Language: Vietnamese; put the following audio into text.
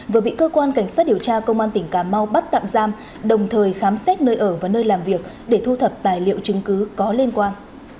vừa bị cơ quan cảnh sát điều tra công an tỉnh cà mau bắt tạm giam đồng thời khám xét nơi ở và nơi làm việc để thu thập tài liệu chứng cứ có liên quan